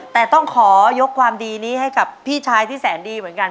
แต่ต้องขอยกความดีนี้ให้กับพี่ชายที่แสนดีเหมือนกัน